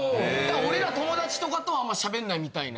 俺ら友達とかとはあんまり喋んないみたいな。